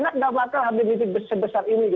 enak tidak bakal habib rizieq sebesar ini